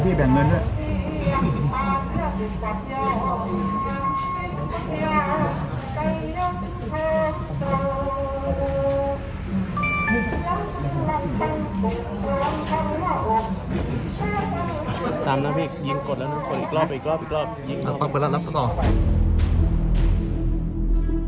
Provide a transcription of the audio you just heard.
พี่หญิงมากนะ